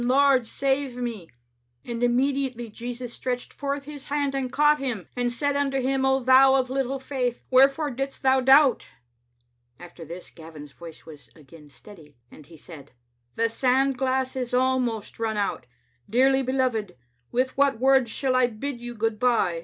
Lord, save me. "*And immediately Jesus stretched forth His hand and caught him, and said unto him, O thou of little faith, wherefore didst thou doubt?* " After this Gavin's voice was again steady, and he said, "The sand glass is almost run out. Dearly be loved, with what words shall I bid you good by?"